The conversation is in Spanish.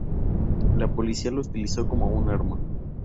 La policía lo utilizó como un arma".